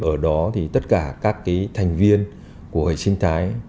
ở đó thì tất cả các cái thành viên của hệ sinh thái